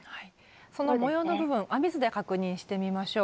その模様の部分編み図で確認してみましょう。